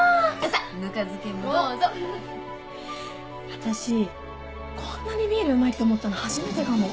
私こんなにビールうまいって思ったの初めてかも。